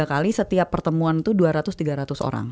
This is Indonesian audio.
tiga kali setiap pertemuan itu dua ratus tiga ratus orang